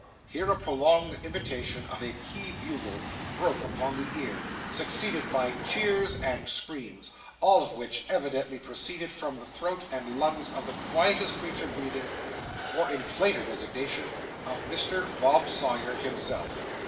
Here a prolonged imitation of a key bugle broke upon the ear, succeeded by cheers and screams, all of which evidently proceeded from the throat and lungs of the quietest creature breathing, or in plainer designation, of Mr. Bob Sawyer himself.